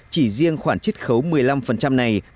chỉ riêng khoản chích khấu một mươi năm này